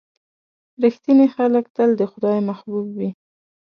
• رښتیني خلک تل د خدای محبوب وي.